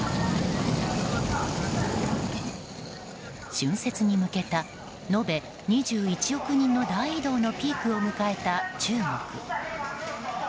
春節に向けた延べ２１億人の大移動のピークを迎えた中国。